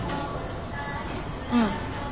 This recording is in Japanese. うん。